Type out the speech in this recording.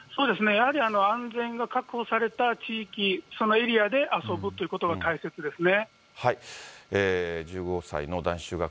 やはり安全が確保された地域、そのエリアで遊ぶということが大切ですね。